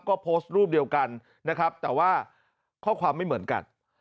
ก็โพสต์รูปเดียวกันนะครับแต่ว่าข้อความไม่เหมือนกัน